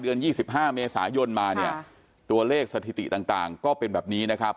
๒๕เมษายนมาเนี่ยตัวเลขสถิติต่างก็เป็นแบบนี้นะครับ